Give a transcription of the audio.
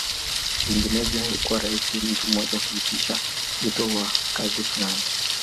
Vinginevyo haikuwa rahisi mtu mmoja kuitisha wito wa kazi fulani